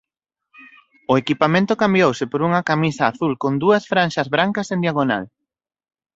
O equipamento cambiouse por unha camisa azul con dúas franxas brancas en diagonal.